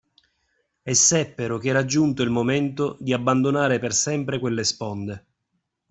E seppero che era giunto il momento di abbandonare per sempre quelle sponde.